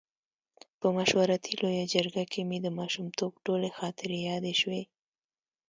په مشورتي لویه جرګه کې مې د ماشومتوب ټولې خاطرې یادې شوې.